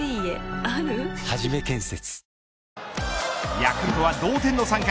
ヤクルトは同点の３回。